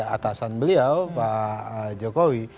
atasan beliau pak jokowi